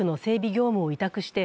業務を委託して